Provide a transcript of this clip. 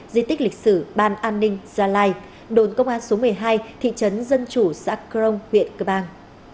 di tích lịch sử ban an ninh gia lai đồn công an số một mươi hai thị trấn dân chủ xã crong huyện cơ bang